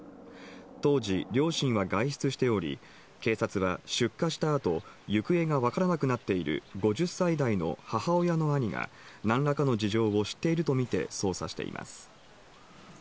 当時、両親は外出しており警察は出火したあと行方が分からなくなっている５０歳代の母親の兄が何らかの事情を知っているとみて捜査しています。